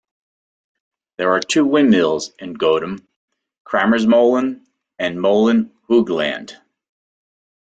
There are two windmills in Goutum, "Kramersmolen" and "Molen Hoogland".